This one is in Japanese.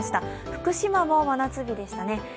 福島も真夏日でしたね。